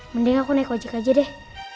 mending aku naik ojek aja deh